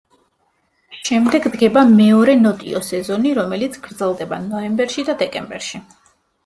შემდეგ დგება მეორე ნოტიო სეზონი, რომელიც გრძელდება ნოემბერში და დეკემბერში.